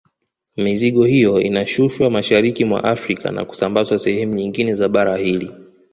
Mizigo hiyo inashushwa mashariki mwa Afrika na kusambazwa sehemu nyingine za bara hili